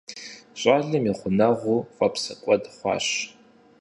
ЩӀалэм и гъунэгъур фӀэпсэкӀуэд хъуащ.